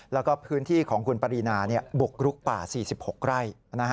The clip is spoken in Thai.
แล้วก็พื้นที่ของคุณปรินาบุกรุกป่า๔๖ไร่